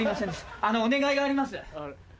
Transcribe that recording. あのお願いがあります。